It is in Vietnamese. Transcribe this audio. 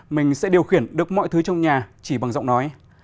mình sẽ điều khiển được mọi thứ trong nhà chỉ bằng giọng nói